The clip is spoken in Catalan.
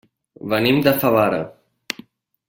Venim de Favara.